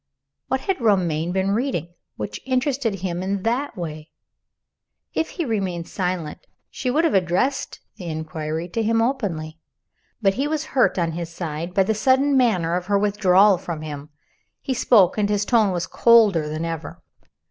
What had Romayne been reading which interested him in that way? If he had remained silent, she would have addressed the inquiry to him openly. But he was hurt on his side by the sudden manner of her withdrawal from him. He spoke and his tone was colder than ever.